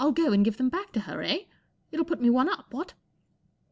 44 I'll go and give them back to her, eh ? It'll put me one up, what